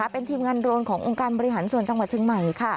เป็นทีมงานโรนขององค์การบริหารส่วนจังหวัดเชียงใหม่